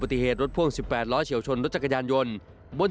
ติเหตุรถพ่วง๑๘ล้อเฉียวชนรถจักรยานยนต์บน